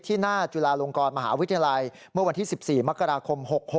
หน้าจุฬาลงกรมหาวิทยาลัยเมื่อวันที่๑๔มกราคม๖๖